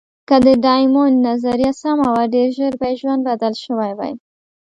که د ډایمونډ نظریه سمه وه، ډېر ژر به یې ژوند بدل شوی وای.